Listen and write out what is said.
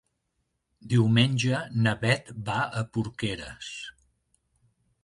Diumenge na Bet va a Porqueres.